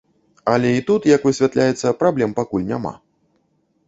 Але і тут, як высвятляецца, праблем пакуль няма.